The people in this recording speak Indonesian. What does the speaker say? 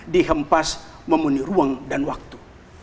dihempas memenuhi ruang dan waktu